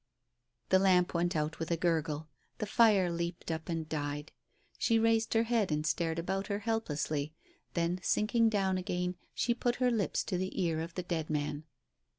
The lamp went out with a gurgle. The fire leaped up, and died. She raised her head and stared about her helplessly, then sinking down again she put her lips to the ear of the dead man.